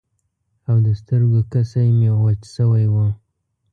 او د سترګو کسی مې وچ شوي وو.